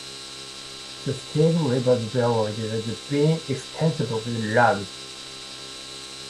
The Stave River's valley has been extensively logged.